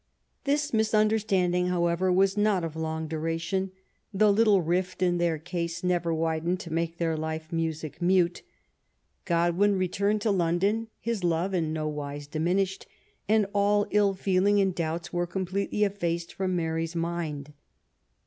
This misunderstanding, however, was not of long duration. The " little rift ^' in their case never widened to make their life music mute. Godwin re turned to London, his love in no wise diminished, and all ill feeling and doubts were completely effaced from Mary's mind.